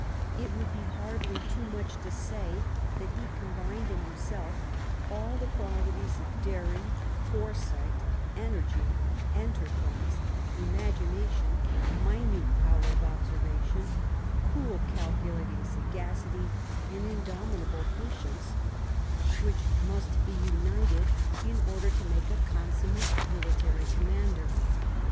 It would be hardly too much to say that he combined in himself all the qualities of daring, fore sight, energy, enterprise, imagination, minute power of observation, cool, calculating sagacity, and indomi table patience, which must be united in order to make a consummate military commander.